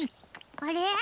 あれ？